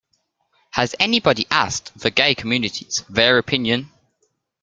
Has anybody asked the gay communities their opinion?